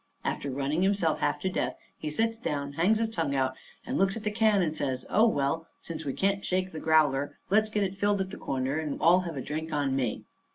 After running himself half to death, he sits down, hangs his tongue out, and looks at the can and says: "Oh, well, since we can't shake the growler, let's get it filled at the corner, and all have a drink on me."